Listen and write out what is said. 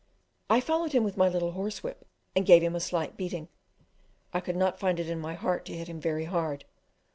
I followed him with my little horsewhip and gave him a slight beating. I could not find it in my heart to hit him very hard.